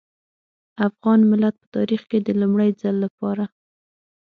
افغان ملت په تاريخ کې د لومړي ځل لپاره.